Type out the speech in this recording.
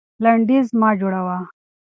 لنډيز مه جوړوه.